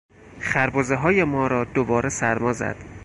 خربزههای ما را دوباره سرما زد.